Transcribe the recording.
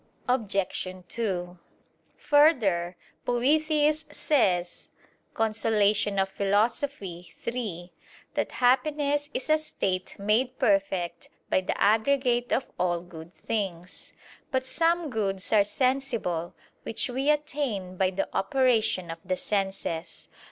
Obj. 2: Further, Boethius says (De Consol. iii) that happiness is "a state made perfect by the aggregate of all good things." But some goods are sensible, which we attain by the operation of the senses.